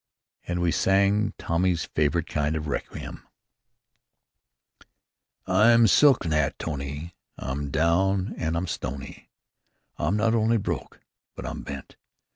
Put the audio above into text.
And then we sang Tommy's favorite kind of requiem: "I'm Silk Hat Nat Tony, I'm down and I'm stony: I'm not only broke, but I'm bent.